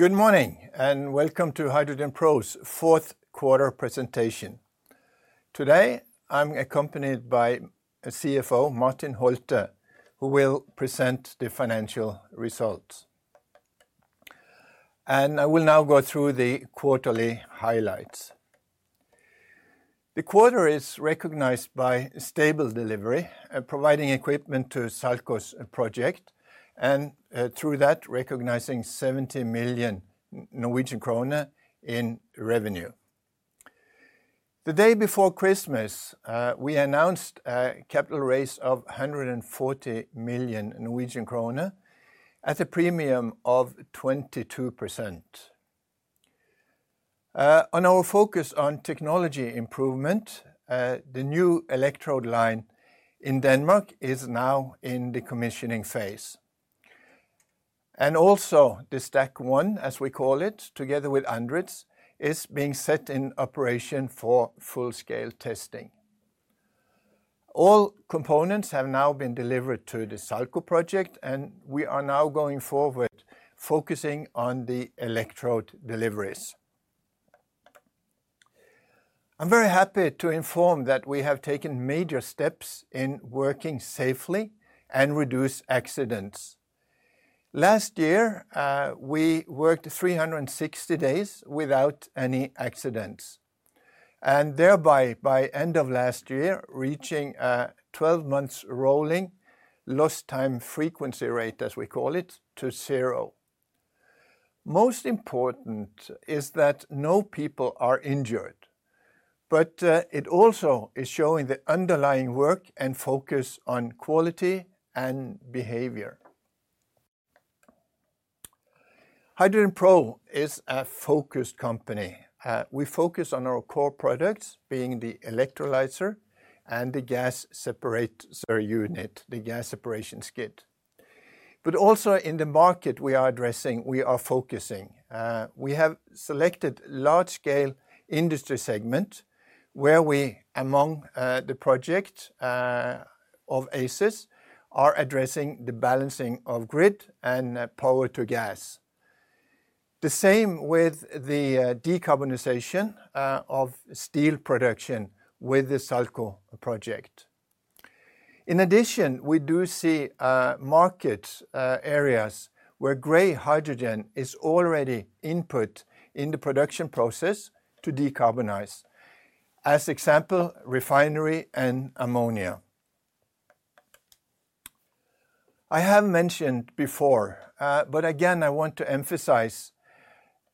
Good morning and welcome to HydrogenPro's Fourth Quarter Presentation. Today I'm accompanied by CFO Martin Holtet, who will present the financial results. I will now go through the quarterly highlights. The quarter is recognized by stable delivery, providing equipment to SALCOS project, and through that recognizing NOK 70 million in revenue. The day before Christmas, we announced a capital raise of 140 million Norwegian kroner at a premium of 22%. On our focus on technology improvement, the new electrode line in Denmark is now in the commissioning phase. Also, the Stack One, as we call it, together with ANDRITZ, is being set in operation for full-scale testing. All components have now been delivered to the SALCOS project, and we are now going forward focusing on the electrode deliveries. I'm very happy to inform that we have taken major steps in working safely and reduced accidents. Last year, we worked 360 days without any accidents, and thereby, by end of last year, reaching a 12-month rolling lost time frequency rate, as we call it, to zero. Most important is that no people are injured, but it also is showing the underlying work and focus on quality and behavior. HydrogenPro is a focused company. We focus on our core products, being the electrolyzer and the gas separator unit, the gas separation skid. Also in the market, we are addressing, we are focusing. We have selected large-scale industry segments where we, among the projects of ACES, are addressing the balancing of grid and power to gas. The same with the decarbonization of steel production with the SALCOS project. In addition, we do see market areas where gray hydrogen is already input in the production process to decarbonize, as example, refinery and ammonia. I have mentioned before, but again, I want to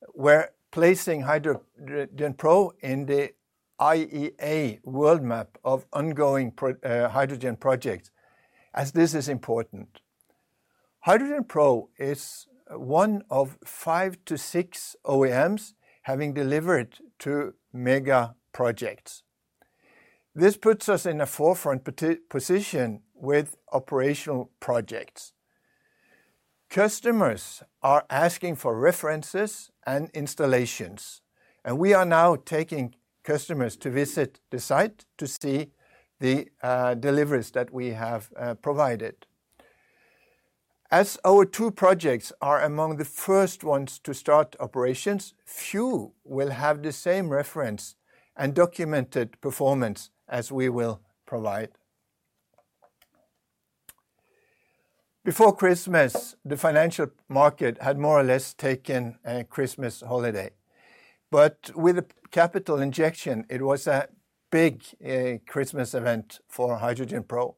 emphasize we're placing HydrogenPro in the IEA world map of ongoing hydrogen projects, as this is important. HydrogenPro is one of five to six OEMs having delivered to mega projects. This puts us in a forefront position with operational projects. Customers are asking for references and installations, and we are now taking customers to visit the site to see the deliveries that we have provided. As our two projects are among the first ones to start operations, few will have the same reference and documented performance as we will provide. Before Christmas, the financial market had more or less taken a Christmas holiday, but with a capital injection, it was a big Christmas event for HydrogenPro.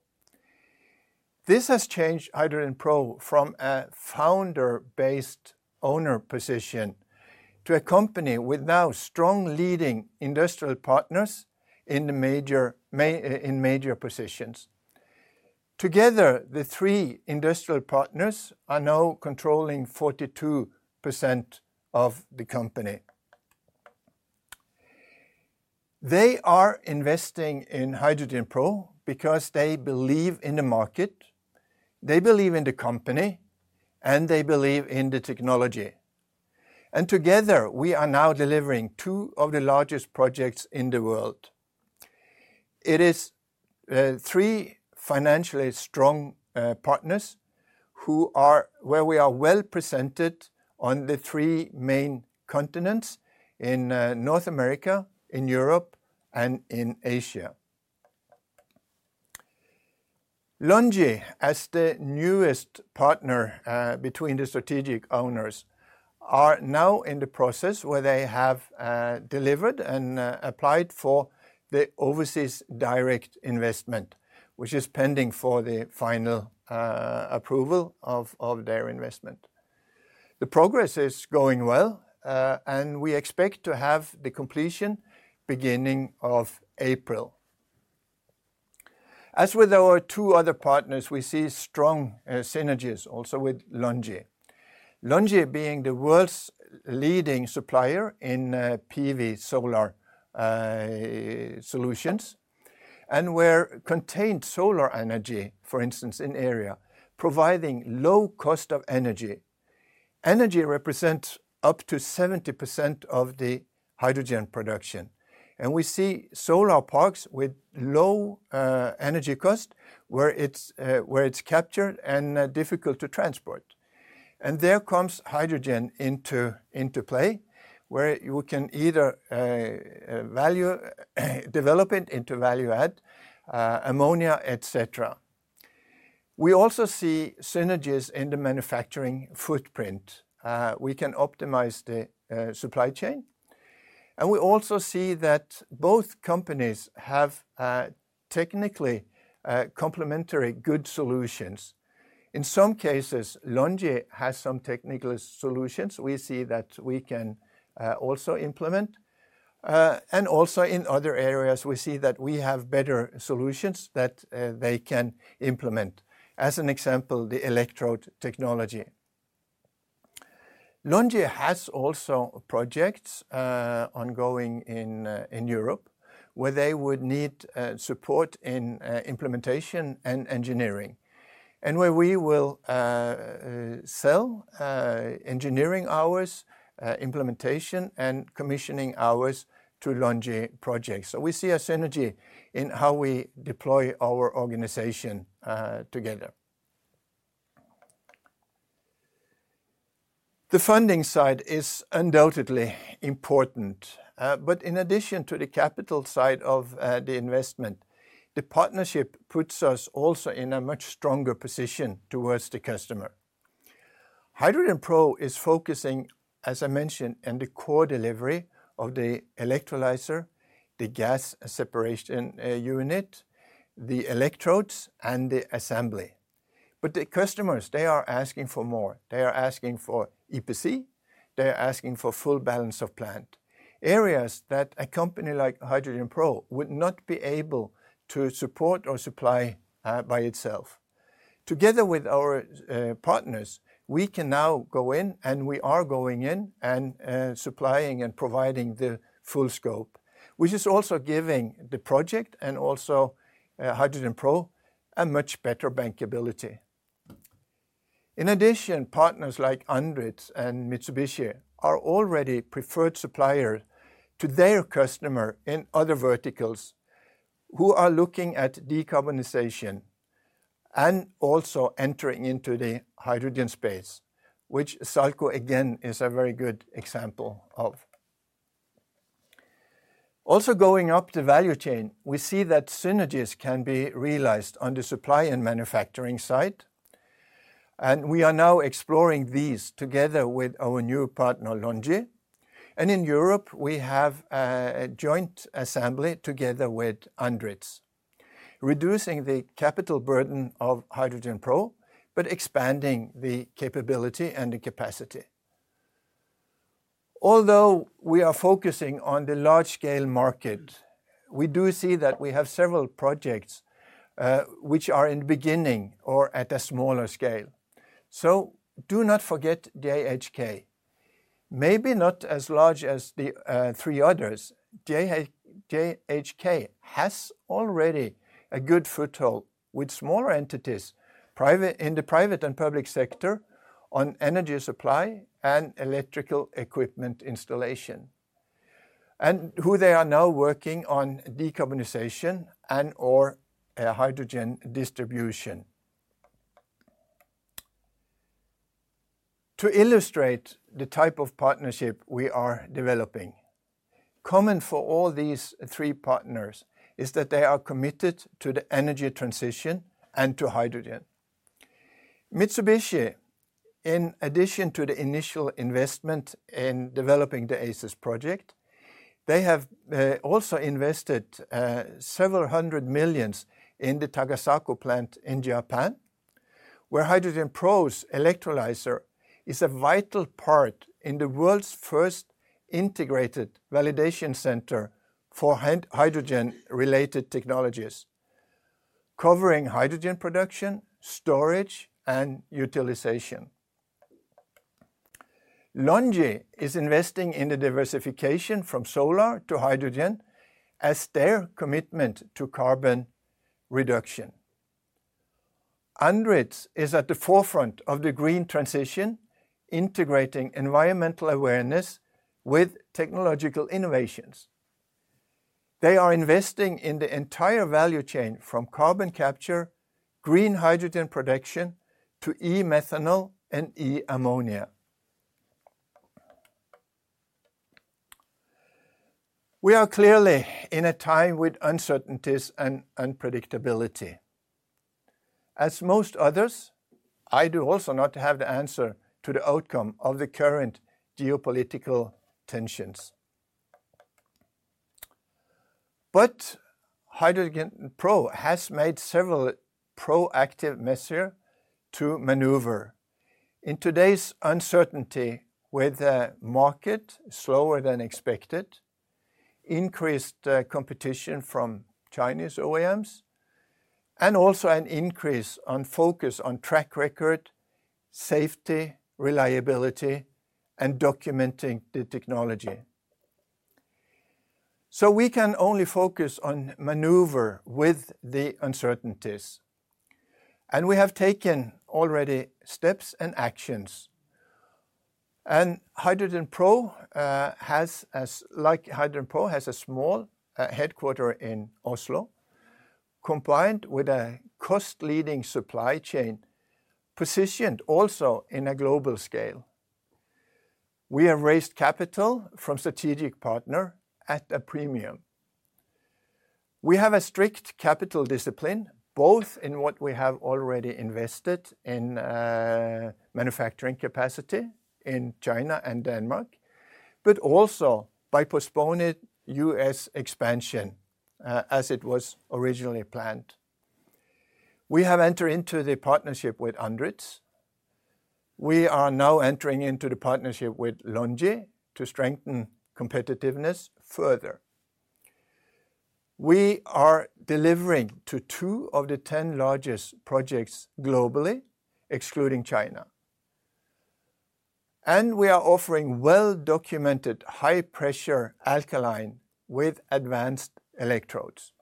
This has changed HydrogenPro from a founder-based owner position to a company with now strong leading industrial partners in major positions. Together, the three industrial partners are now controlling 42% of the company. They are investing in HydrogenPro because they believe in the market, they believe in the company, and they believe in the technology. Together, we are now delivering two of the largest projects in the world. It is three financially strong partners where we are well presented on the three main continents in North America, in Europe, and in Asia. LONGi, as the newest partner between the strategic owners, are now in the process where they have delivered and applied for the overseas direct investment, which is pending for the final approval of their investment. The progress is going well, and we expect to have the completion beginning of April. As with our two other partners, we see strong synergies also with LONGi, LONGi being the world's leading supplier in PV solar solutions, and where contained solar energy, for instance, in area, providing low cost of energy. Energy represents up to 70% of the hydrogen production, and we see solar parks with low energy cost where it's captured and difficult to transport. There comes hydrogen into play, where you can either develop it into value-add, ammonia, et cetera. We also see synergies in the manufacturing footprint. We can optimize the supply chain, and we also see that both companies have technically complementary good solutions. In some cases, LONGi has some technical solutions we see that we can also implement, and also in other areas, we see that we have better solutions that they can implement, as an example, the electrode technology. LONGi has also projects ongoing in Europe where they would need support in implementation and engineering, and where we will sell engineering hours, implementation, and commissioning hours to LONGi projects. We see a synergy in how we deploy our organization together. The funding side is undoubtedly important, but in addition to the capital side of the investment, the partnership puts us also in a much stronger position towards the customer. HydrogenPro is focusing, as I mentioned, on the core delivery of the electrolyzer, the gas separation unit, the electrodes, and the assembly. The customers, they are asking for more. They are asking for EPC. They are asking for full balance of plant areas that a company like HydrogenPro would not be able to support or supply by itself. Together with our partners, we can now go in, and we are going in and supplying and providing the full scope, which is also giving the project and also HydrogenPro a much better bankability. In addition, partners like ANDRITZ and Mitsubishi are already preferred suppliers to their customers in other verticals who are looking at decarbonization and also entering into the hydrogen space, which SALCOS again is a very good example of. Also going up the value chain, we see that synergies can be realized on the supply and manufacturing side, and we are now exploring these together with our new partner LONGi. In Europe, we have a joint assembly together with ANDRITZ, reducing the capital burden of HydrogenPro, but expanding the capability and the capacity. Although we are focusing on the large-scale market, we do see that we have several projects which are in the beginning or at a smaller scale. Do not forget J.H.K. Maybe not as large as the three others, J.H.K has already a good foothold with smaller entities in the private and public sector on energy supply and electrical equipment installation, and who they are now working on decarbonization and/or hydrogen distribution. To illustrate the type of partnership we are developing, common for all these three partners is that they are committed to the energy transition and to hydrogen. Mitsubishi, in addition to the initial investment in developing the ACES project, has also invested several hundred million in the Tagasao plant in Japan, where HydrogenPro's electrolyzer is a vital part in the world's first integrated validation center for hydrogen-related technologies, covering hydrogen production, storage, and utilization. LONGi is investing in the diversification from solar to hydrogen as their commitment to carbon reduction. ANDRITZ is at the forefront of the green transition, integrating environmental awareness with technological innovations. They are investing in the entire value chain from carbon capture, green hydrogen production, to e-methanol and e-ammonia. We are clearly in a time with uncertainties and unpredictability. As most others, I do also not have the answer to the outcome of the current geopolitical tensions. HydrogenPro has made several proactive measures to maneuver in today's uncertainty with a market slower than expected, increased competition from Chinese OEMs, and also an increase in focus on track record, safety, reliability, and documenting the technology. We can only focus on maneuver with the uncertainties, and we have taken already steps and actions. HydrogenPro has, like HydrogenPro, a small headquarter in Oslo, combined with a cost-leading supply chain positioned also on a global scale. We have raised capital from a strategic partner at a premium. We have a strict capital discipline, both in what we have already invested in manufacturing capacity in China and Denmark, but also by postponing U.S. expansion as it was originally planned. We have entered into the partnership with ANDRITZ. We are now entering into the partnership with LONGi to strengthen competitiveness further. We are delivering to two of the 10 largest projects globally, excluding China, and we are offering well-documented high-pressure alkaline with advanced electrodes.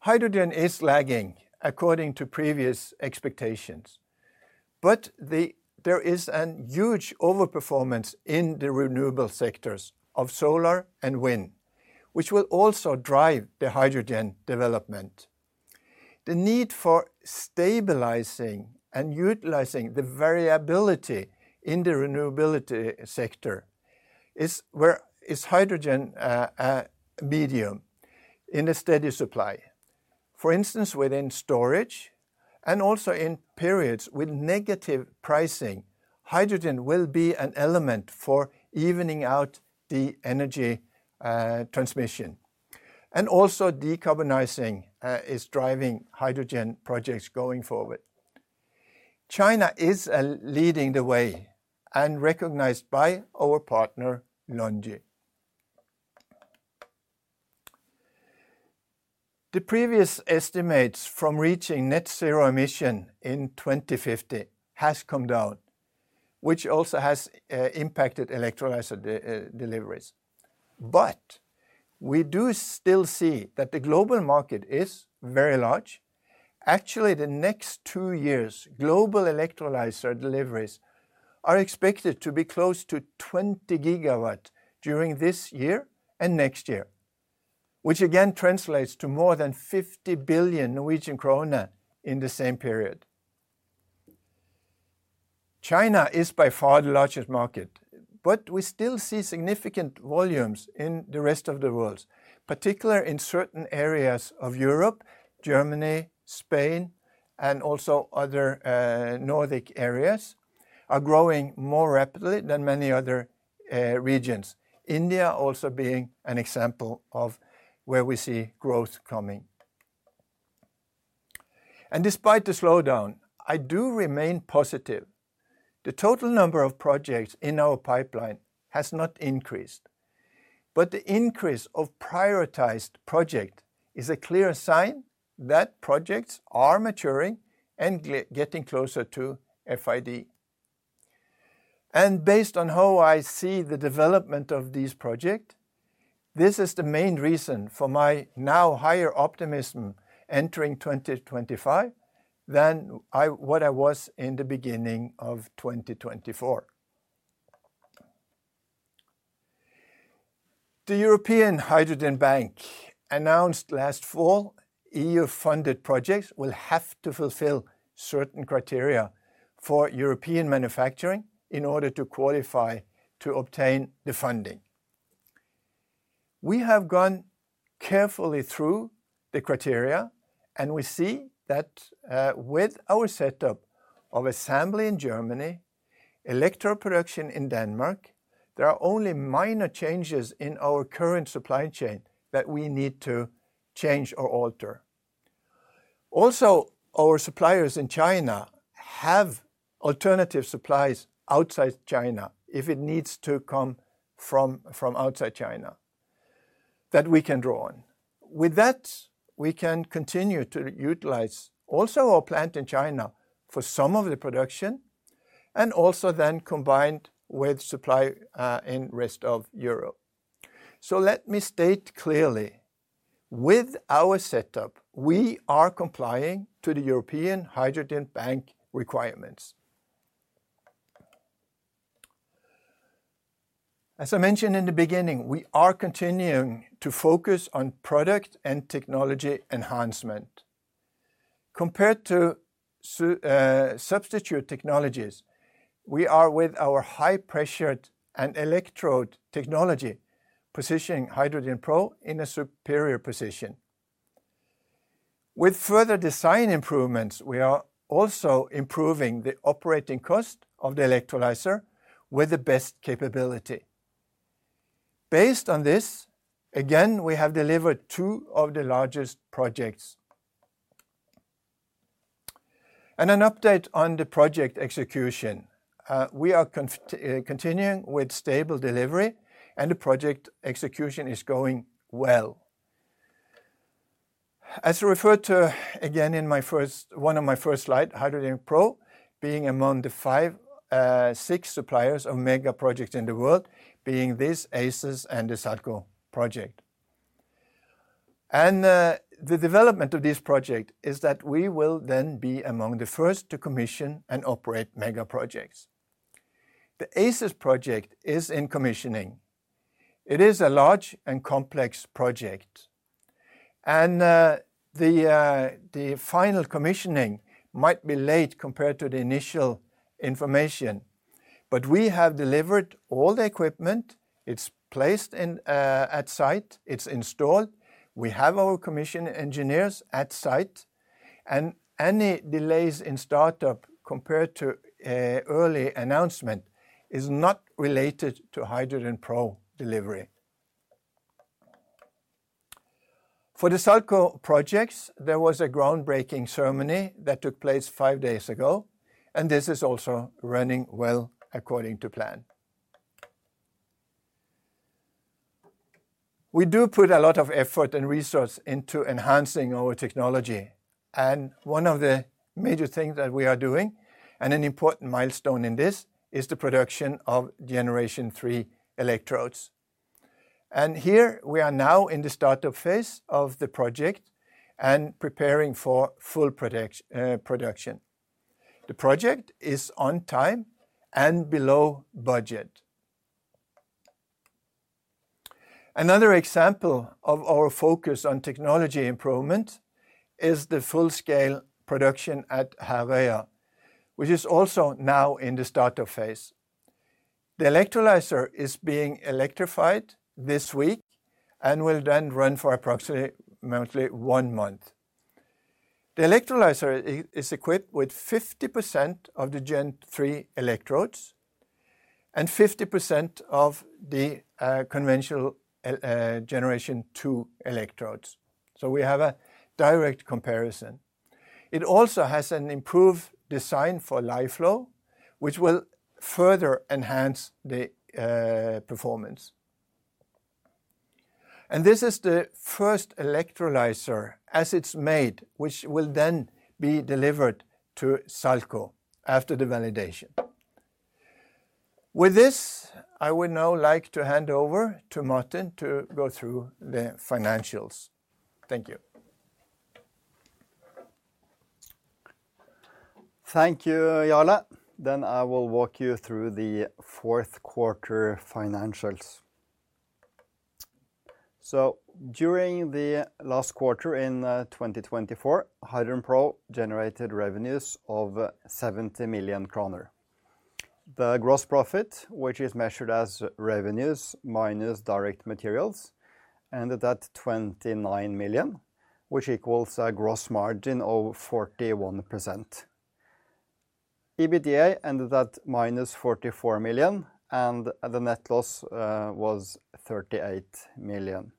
Hydrogen is lagging according to previous expectations, but there is a huge overperformance in the renewable sectors of solar and wind, which will also drive the hydrogen development. The need for stabilizing and utilizing the variability in the renewability sector is where hydrogen is a medium in a steady supply. For instance, within storage and also in periods with negative pricing, hydrogen will be an element for evening out the energy transmission, and also decarbonizing is driving hydrogen projects going forward. China is leading the way and recognized by our partner LONGi. The previous estimates from reaching net zero emission in 2050 have come down, which also has impacted electrolyzer deliveries. We do still see that the global market is very large. Actually, the next two years, global electrolyzer deliveries are expected to be close to 20 gigawatts during this year and next year, which again translates to more than 50 billion Norwegian krone in the same period. China is by far the largest market, but we still see significant volumes in the rest of the world, particularly in certain areas of Europe, Germany, Spain, and also other Nordic areas are growing more rapidly than many other regions. India also being an example of where we see growth coming. Despite the slowdown, I do remain positive. The total number of projects in our pipeline has not increased, but the increase of prioritized projects is a clear sign that projects are maturing and getting closer to FID. Based on how I see the development of these projects, this is the main reason for my now higher optimism entering 2025 than what I was in the beginning of 2024. The European Hydrogen Bank announced last fall EU-funded projects will have to fulfill certain criteria for European manufacturing in order to qualify to obtain the funding. We have gone carefully through the criteria, and we see that with our setup of assembly in Germany, electrode production in Denmark, there are only minor changes in our current supply chain that we need to change or alter. Also, our suppliers in China have alternative supplies outside China if it needs to come from outside China that we can draw on. With that, we can continue to utilize also our plant in China for some of the production and also then combined with supply in the rest of Europe. Let me state clearly, with our setup, we are complying with the European Hydrogen Bank requirements. As I mentioned in the beginning, we are continuing to focus on product and technology enhancement. Compared to substitute technologies, we are with our high pressure and electrode technology positioning HydrogenPro in a superior position. With further design improvements, we are also improving the operating cost of the electrolyzer with the best capability. Based on this, again, we have delivered two of the largest projects. An update on the project execution. We are continuing with stable delivery, and the project execution is going well. As referred to again in one of my first slides, HydrogenPro being among the five or six suppliers of mega projects in the world, being this ACES and the SALCOS project. The development of this project is that we will then be among the first to commission and operate mega projects. The ACES project is in commissioning. It is a large and complex project, and the final commissioning might be late compared to the initial information, but we have delivered all the equipment. It is placed at site. It is installed. We have our commissioned engineers at site, and any delays in startup compared to early announcement is not related to HydrogenPro delivery. For the SALCOS projects, there was a groundbreaking ceremony that took place five days ago, and this is also running well according to plan. We do put a lot of effort and resources into enhancing our technology, and one of the major things that we are doing and an important milestone in this is the production of Generation 3 electrodes. Here we are now in the startup phase of the project and preparing for full production. The project is on time and below budget. Another example of our focus on technology improvement is the full-scale production at Herøya, which is also now in the startup phase. The electrolyzer is being electrified this week and will then run for approximately one month. The electrolyzer is equipped with 50% of the Gen 3 electrodes and 50% of the conventional Generation 2 electrodes, so we have a direct comparison. It also has an improved design for lye flow, which will further enhance the performance. This is the first electrolyzer as it's made, which will then be delivered to SALCOS after the validation. With this, I would now like to hand over to Martin to go through the financials. Thank you. Thank you, Jarle. I will walk you through the Fourth Quarter financials. During the last quarter in 2024, HydrogenPro generated revenues of 70 million kroner. The gross profit, which is measured as revenues minus direct materials, ended at 29 million, which equals a gross margin of 41%. EBITDA ended at minus 44 million, and the net loss was 38 million.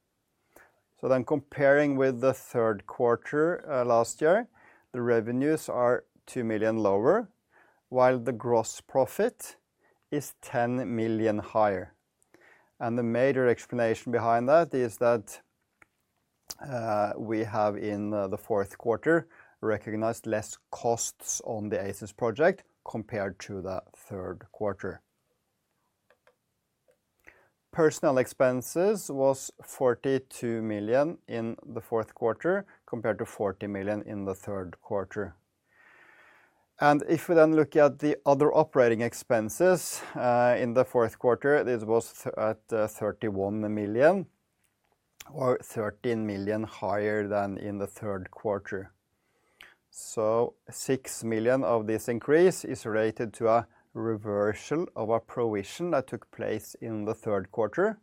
Comparing with the third quarter last year, the revenues are 2 million lower, while the gross profit is 10 million higher. The major explanation behind that is that we have in the fourth quarter recognized less costs on the ACES project compared to the third quarter. Personnel expenses was 42 million in the fourth quarter compared to 40 million in the third quarter. If we then look at the other operating expenses in the fourth quarter, this was at 31 million, or 13 million higher than in the third quarter. 6 million of this increase is related to a reversal of a provision that took place in the third quarter.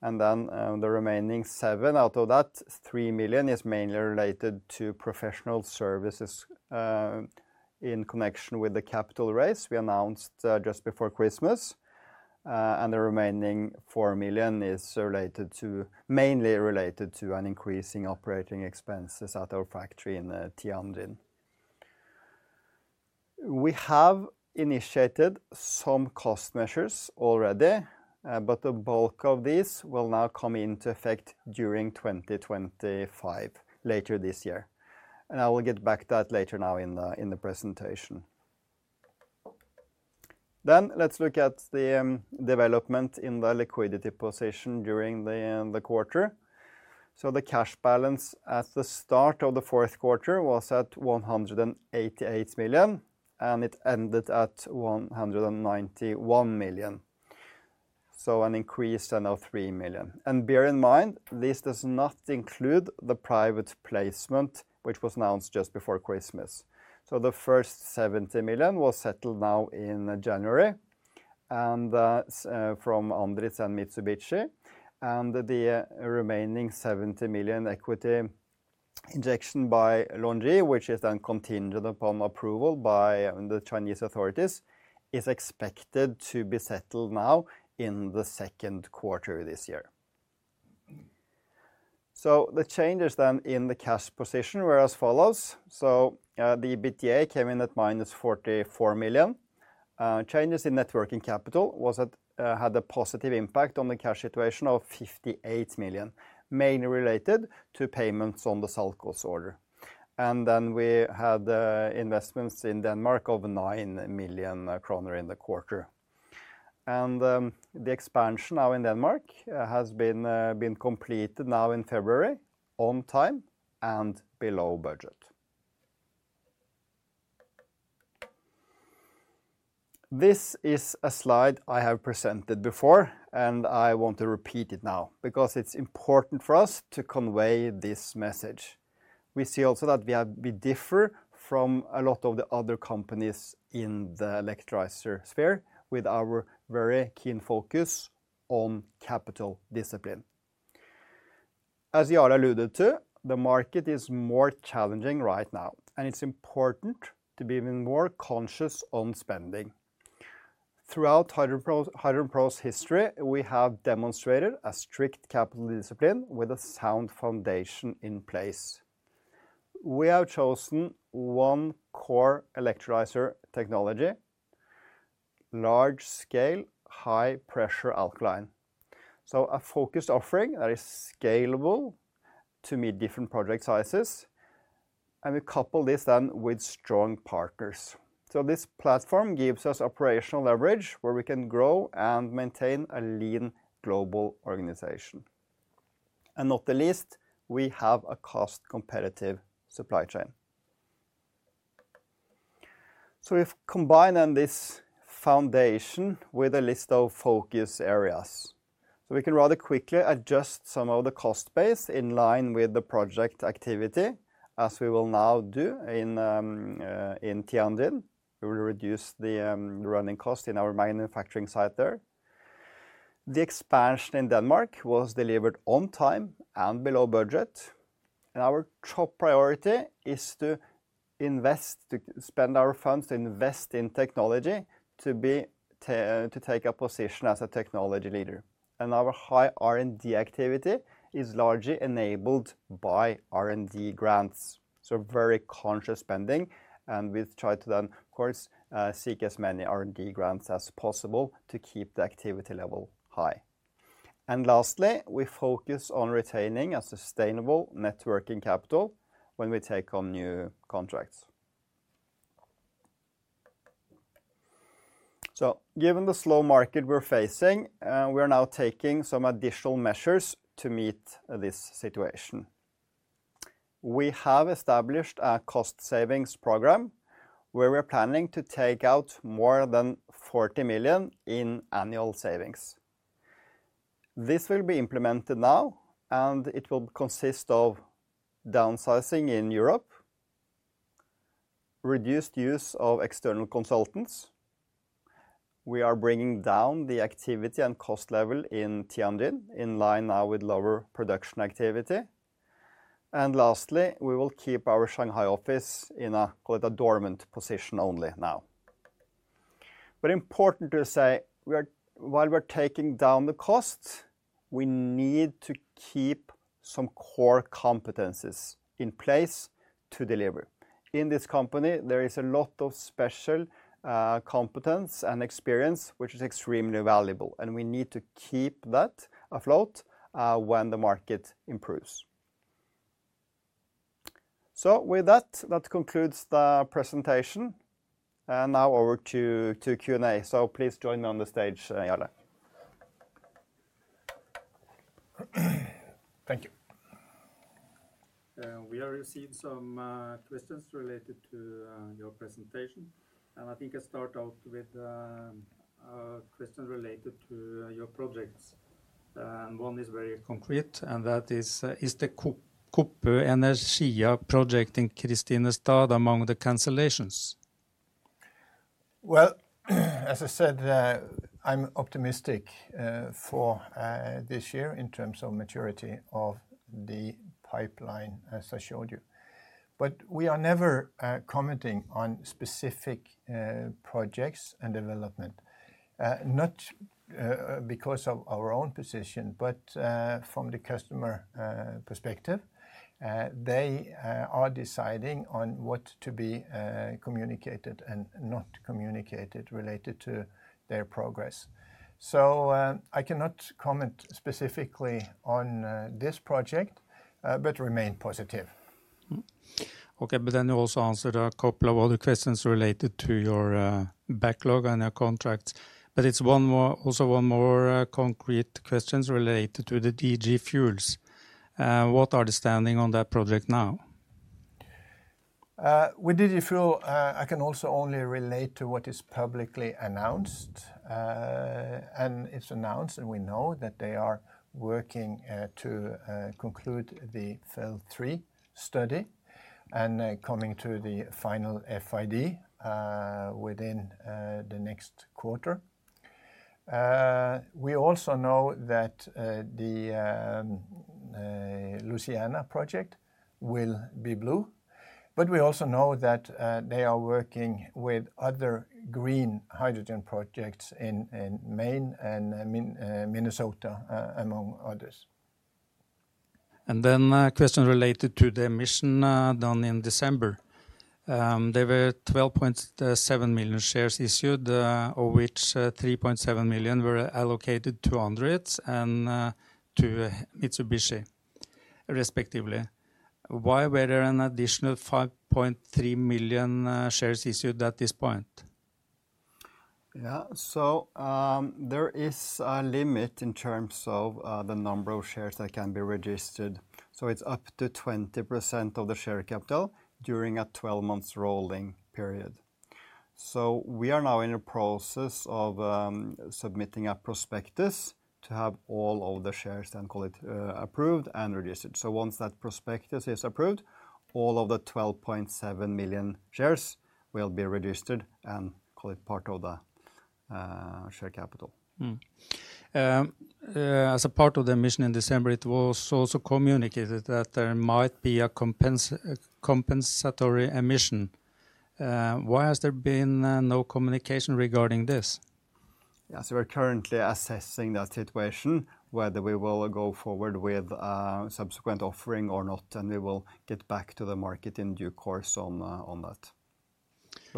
The remaining 7 million out of that 13 million is mainly related to professional services in connection with the capital raise we announced just before Christmas. The remaining 4 million is mainly related to increasing operating expenses at our factory in Tianjin. We have initiated some cost measures already, but the bulk of these will now come into effect during 2025, later this year. I will get back to that later in the presentation. Let us look at the development in the liquidity position during the quarter. The cash balance at the start of the fourth quarter was at 188 million, and it ended at 191 million, an increase of 3 million. Bear in mind, this does not include the private placement, which was announced just before Christmas. The first 70 million was settled now in January from ANDRITZ and Mitsubishi, and the remaining 70 million equity injection by LONGi, which is then contingent upon approval by the Chinese authorities, is expected to be settled now in the second quarter of this year. The changes then in the cash position were as follows. The EBITDA came in at minus 44 million. Changes in net working capital had a positive impact on the cash situation of 58 million, mainly related to payments on the SALCOS order. We had investments in Denmark of 9 million kroner in the quarter. The expansion now in Denmark has been completed now in February on time and below budget. This is a slide I have presented before, and I want to repeat it now because it's important for us to convey this message. We see also that we differ from a lot of the other companies in the electrolyzer sphere with our very keen focus on capital discipline. As Jarle alluded to, the market is more challenging right now, and it's important to be even more conscious on spending. Throughout HydrogenPro's history, we have demonstrated a strict capital discipline with a sound foundation in place. We have chosen one core electrolyzer technology, large scale, high-pressure alkaline. A focused offering that is scalable to meet different project sizes, and we couple this then with strong partners. This platform gives us operational leverage where we can grow and maintain a lean global organization. Not the least, we have a cost-competitive supply chain. We have combined then this foundation with a list of focus areas. We can rather quickly adjust some of the cost base in line with the project activity, as we will now do in Tianjin. We will reduce the running cost in our manufacturing site there. The expansion in Denmark was delivered on time and below budget. Our top priority is to invest, to spend our funds to invest in technology to take a position as a technology leader. Our high R&D activity is largely enabled by R&D grants. Very conscious spending, and we try to then, of course, seek as many R&D grants as possible to keep the activity level high. Lastly, we focus on retaining a sustainable networking capital when we take on new contracts. Given the slow market we're facing, we are now taking some additional measures to meet this situation. We have established a cost savings program where we are planning to take out more than 40 million in annual savings. This will be implemented now, and it will consist of downsizing in Europe, reduced use of external consultants. We are bringing down the activity and cost level in Tianjin in line now with lower production activity. Lastly, we will keep our Shanghai office in a dormant position only now. It is important to say, while we're taking down the cost, we need to keep some core competencies in place to deliver. In this company, there is a lot of special competence and experience, which is extremely valuable, and we need to keep that afloat when the market improves. That concludes the presentation. Now over to Q&A. Please join me on the stage, Jarle. Thank you. We have received some questions related to your presentation. I think I'll start out with a question related to your projects. One is very concrete, and that is, is the Koppö Energia project in Kristinestad among the cancellations? As I said, I'm optimistic for this year in terms of maturity of the pipeline, as I showed you. We are never commenting on specific projects and development, not because of our own position, but from the customer perspective. They are deciding on what to be communicated and not communicated related to their progress. I cannot comment specifically on this project, but remain positive. Okay, you also answered a couple of other questions related to your backlog and your contracts. There is also one more concrete question related to DG Fuels. What are the standings on that project now? With DG Fuels, I can also only relate to what is publicly announced. It is announced, and we know that they are working to conclude the FEL 3 study and coming to the final FID within the next quarter. We also know that the Louisiana project will be blue, but we also know that they are working with other green hydrogen projects in Maine and Minnesota, among others. A question related to the emission done in December. There were 12.7 million shares issued, of which 3.7 million were allocated to ANDRITZ and to Mitsubishi, respectively. Why were there an additional 5.3 million shares issued at this point? There is a limit in terms of the number of shares that can be registered. It is up to 20% of the share capital during a 12-month rolling period. We are now in the process of submitting a prospectus to have all of the shares then approved and registered. Once that prospectus is approved, all of the 12.7 million shares will be registered and called part of the share capital. As a part of the emission in December, it was also communicated that there might be a compensatory emission. Why has there been no communication regarding this? Yeah, we are currently assessing that situation, whether we will go forward with a subsequent offering or not, and we will get back to the market in due course on that.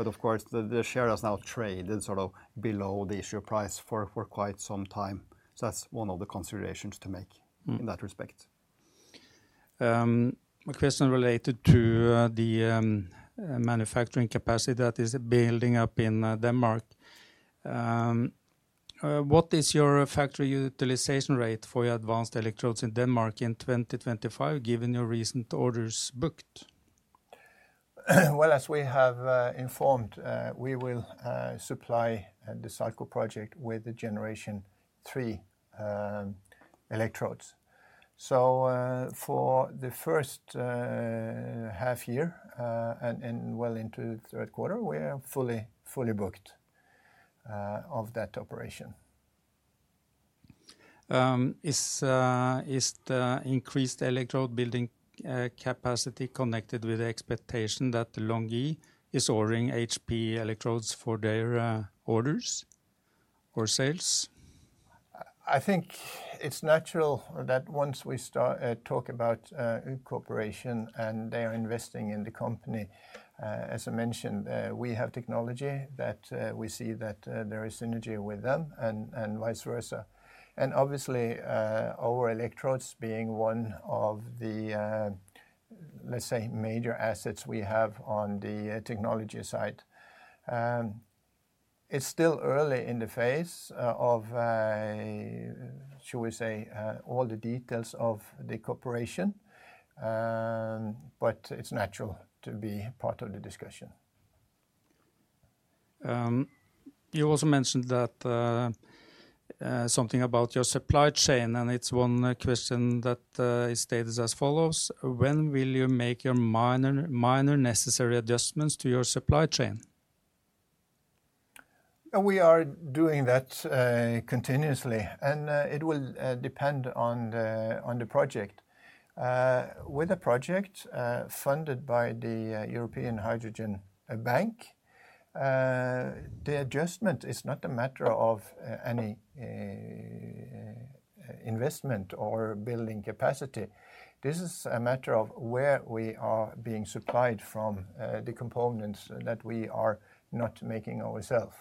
Of course, the share has now traded sort of below the issue price for quite some time. That is one of the considerations to make in that respect. A question related to the manufacturing capacity that is building up in Denmark. What is your factory utilization rate for your advanced electrodes in Denmark in 2025, given your recent orders booked? As we have informed, we will supply the SALCOS project with the Generation 3 electrodes. For the first half year and well into the third quarter, we are fully booked of that operation. Is the increased electrode building capacity connected with the expectation that LONGi is ordering HP electrodes for their orders or sales? I think it's natural that once we talk about a corporation and they are investing in the company, as I mentioned, we have technology that we see that there is synergy with them and vice versa. Obviously, our electrodes being one of the, let's say, major assets we have on the technology side. It's still early in the phase of, shall we say, all the details of the corporation, but it's natural to be part of the discussion. You also mentioned something about your supply chain, and it's one question that is stated as follows: When will you make your minor necessary adjustments to your supply chain? We are doing that continuously, and it will depend on the project. With a project funded by the European Hydrogen Bank, the adjustment is not a matter of any investment or building capacity. This is a matter of where we are being supplied from the components that we are not making ourselves.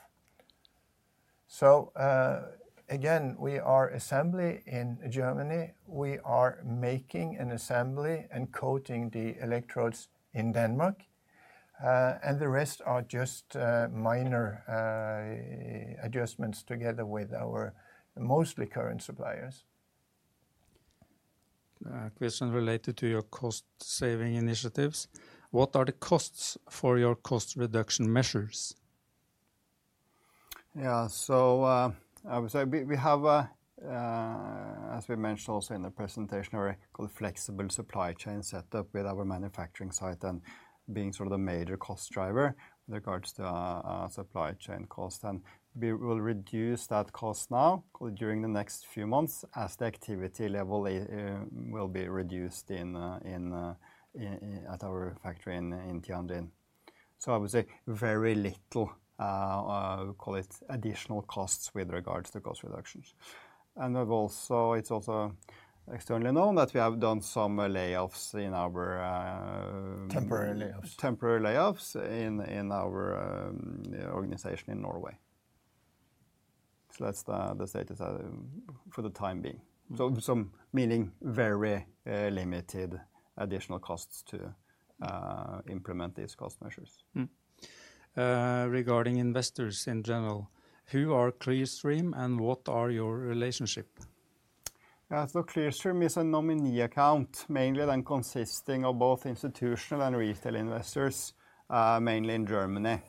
We are assembly in Germany. We are making an assembly and coating the electrodes in Denmark. The rest are just minor adjustments together with our mostly current suppliers. A question related to your cost saving initiatives. What are the costs for your cost reduction measures? Yeah, so I would say we have, as we mentioned also in the presentation, a flexible supply chain setup with our manufacturing site then being sort of the major cost driver with regards to our supply chain cost. We will reduce that cost now during the next few months as the activity level will be reduced at our factory in Tianjin. I would say very little, call it additional costs with regards to cost reductions. It is also externally known that we have done some layoffs in our temporary layoffs in our organization in Norway. That is the status for the time being. Meaning very limited additional costs to implement these cost measures. Regarding investors in general, who are Clearstream and what are your relationship? Yeah, so Clearstream is a nominee account, mainly then consisting of both institutional and retail investors, mainly in Germany.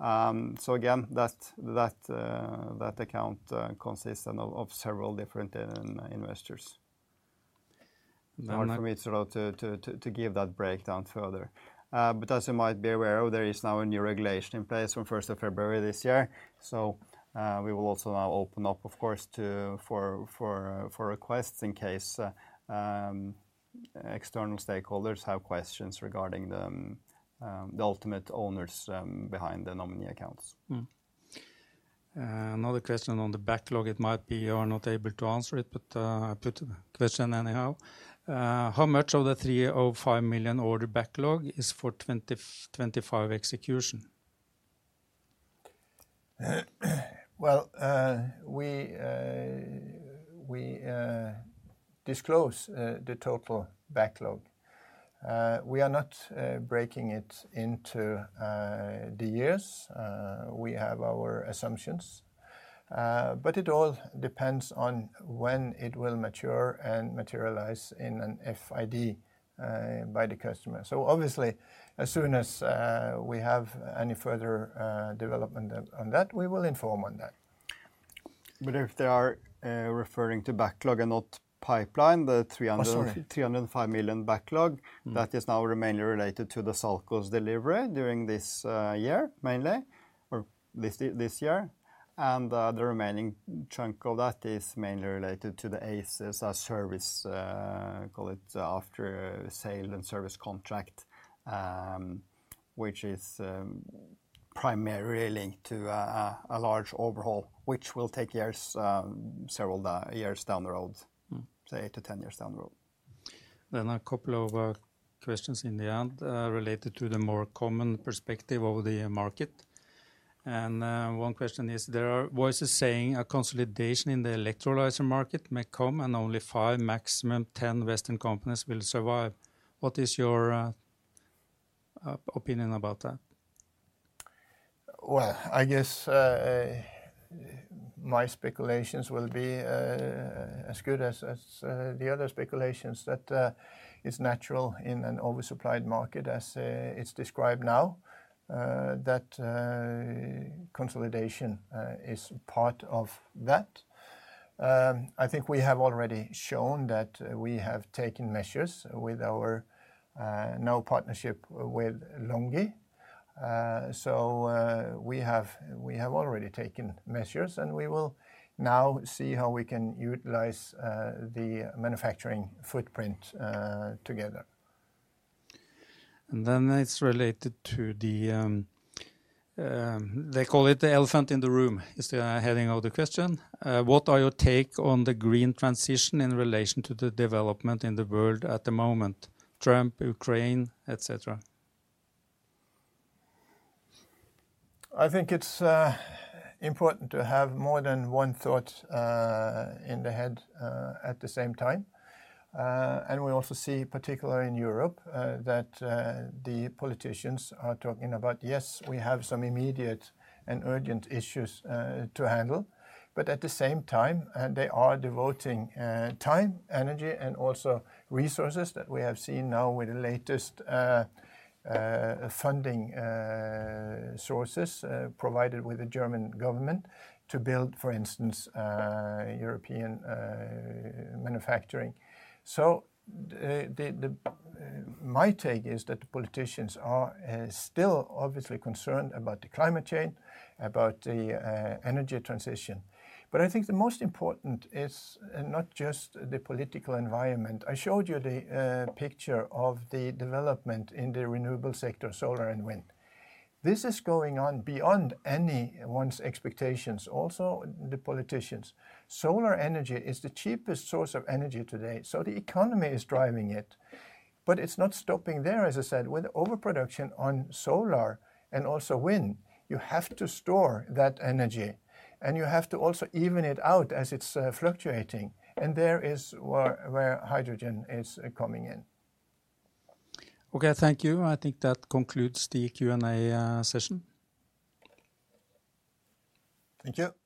Again, that account consists of several different investors. Hard for me sort of to give that breakdown further. As you might be aware of, there is now a new regulation in place from 1 February this year. We will also now open up, of course, for requests in case external stakeholders have questions regarding the ultimate owners behind the nominee accounts. Another question on the backlog. It might be you are not able to answer it, but I put the question anyhow. How much of the 305 million order backlog is for 2025 execution? We disclose the total backlog. We are not breaking it into the years. We have our assumptions. It all depends on when it will mature and materialize in an FID by the customer. Obviously, as soon as we have any further development on that, we will inform on that. If they are referring to backlog and not pipeline, the 305 million backlog, that is now remaining, is related to the SALCOS delivery during this year, mainly, or this year. The remaining chunk of that is mainly related to the ACES service, call it after sale and service contract, which is primarily linked to a large overhaul, which will take years, several years down the road, say 8-10 years down the road. A couple of questions in the end are related to the more common perspective of the market. One question is, there are voices saying a consolidation in the electrolyzer market may come and only five, maximum 10 Western companies will survive. What is your opinion about that? I guess my speculations will be as good as the other speculations that it's natural in an oversupplied market as it's described now that consolidation is part of that. I think we have already shown that we have taken measures with our now partnership with LONGi. We have already taken measures, and we will now see how we can utilize the manufacturing footprint together. It is related to the, they call it the elephant in the room, is the heading of the question. What are your take on the green transition in relation to the development in the world at the moment? Trump, Ukraine, etc. I think it's important to have more than one thought in the head at the same time. We also see, particularly in Europe, that the politicians are talking about, yes, we have some immediate and urgent issues to handle. At the same time, they are devoting time, energy, and also resources that we have seen now with the latest funding sources provided with the German government to build, for instance, European manufacturing. My take is that the politicians are still obviously concerned about the climate change, about the energy transition. I think the most important is not just the political environment. I showed you the picture of the development in the renewable sector, solar and wind. This is going on beyond anyone's expectations, also the politicians. Solar energy is the cheapest source of energy today. The economy is driving it. It is not stopping there, as I said, with overproduction on solar and also wind. You have to store that energy. You have to also even it out as it's fluctuating. There is where hydrogen is coming in. Okay, thank you. I think that concludes the Q&A session. Thank you.